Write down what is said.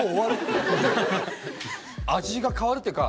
味が変わるっていうか